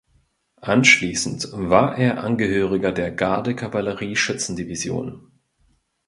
Anschließend war er Angehöriger der Garde-Kavallerie-Schützen-Division.